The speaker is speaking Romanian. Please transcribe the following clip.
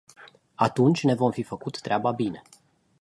Atunci ne vom fi făcut treaba bine.